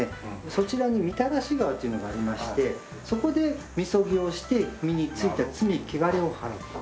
そちらに御手洗川というのがありましてそこでみそぎをして身についた罪汚れをはらうと。